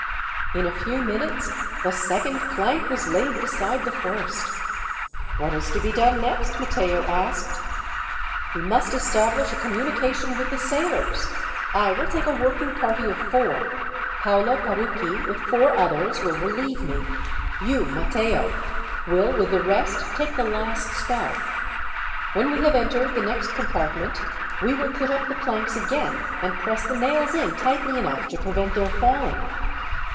In a few minutes, the second plank was laid beside the first. "What is to be done next?" Matteo asked. "We must establish a communication with the sailors. I will take a working party of four. Paolo Parucchi, with four others, will relieve me. You, Matteo, will with the rest take the last spell. When we have entered the next compartment, we will put up the planks again, and press the nails in tightly enough to prevent their falling.